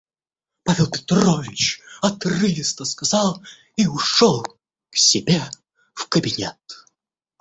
Павел Петрович отрывисто сказал и ушел к себе в кабинет.